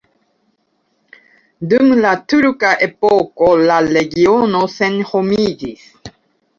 Dum la turka epoko la regiono senhomiĝis.